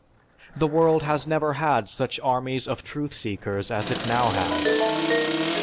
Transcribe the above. The world has never had such armies of truth seekers as it now has.